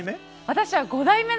私は７代目。